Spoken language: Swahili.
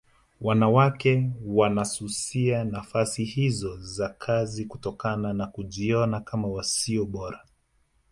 Wanawake wanasusia nafasi hizo za kazi kutokana na kujiona kama sio bora